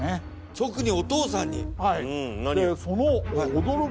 直にお父さんに。